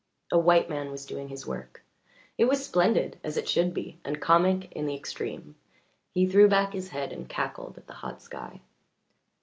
A white man was doing his work it was splendid, as it should be, and comic in the extreme. He threw back his head and cackled at the hot sky.